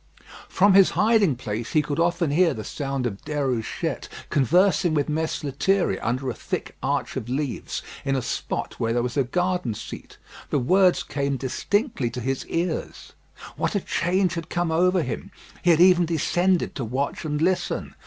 From his hiding place he could often hear the sound of Déruchette conversing with Mess Lethierry under a thick arch of leaves, in a spot where there was a garden seat. The words came distinctly to his ears. What a change had come over him! He had even descended to watch and listen.